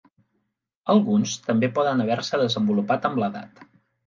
Alguns també poden haver-se desenvolupat amb l'edat.